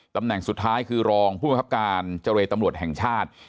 ตำแหน่งสุดท้ายคือรองผู้บังคับการเจรตำรวจแห่งชาติ